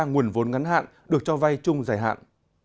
nguồn vốn ngắn hạn được cho vay chung giải hạn